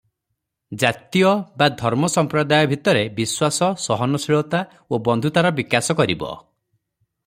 ଜାତୀୟ ବା ଧର୍ମ ସମ୍ପ୍ରଦାୟ ଭିତରେ ବିଶ୍ୱାସ, ସହନଶୀଳତା ଓ ବନ୍ଧୁତାର ବିକାଶ କରିବ ।